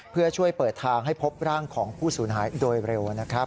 เพื่อช่วยเปิดทางให้พบร่างของผู้สูญหายโดยเร็วนะครับ